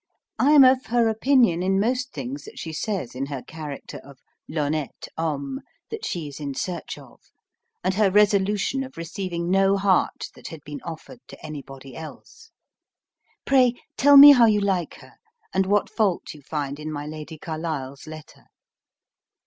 I am of her opinion in most things that she says in her character of "L'honnest homme" that she is in search of, and her resolution of receiving no heart that had been offered to anybody else. Pray, tell me how you like her, and what fault you find in my Lady Carlisle's letter?